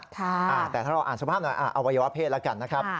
แต่ถ้าเราอ่านสภาพหน่อยอวัยวะเพศแล้วกันนะครับ